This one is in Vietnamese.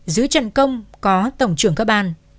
dưới trần công có tổng trưởng các ban